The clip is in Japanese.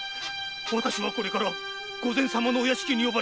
わたしはこれから御前様の屋敷に呼ばれて。